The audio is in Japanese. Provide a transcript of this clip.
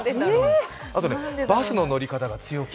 あとね、バスの乗り方が強気。